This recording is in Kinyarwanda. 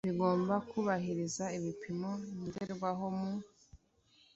bigomba kubahiriza ibipimo ngenderwaho mu